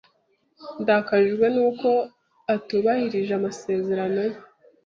Ndakajwe nuko atubahirije amasezerano ye.